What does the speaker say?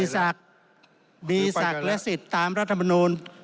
คิตกษักศรีษรักและสิทธิ์ตามรัฐบนูล